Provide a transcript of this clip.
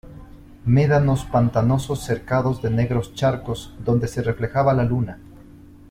médanos pantanosos cercados de negros charcos donde se reflejaba la luna